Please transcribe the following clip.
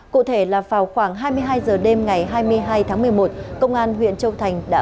cụ thể là vào khoảng hai mươi hai h đêm ngày hai mươi hai tháng một mươi một công an huyện châu thành đã